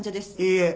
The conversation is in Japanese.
いいえ。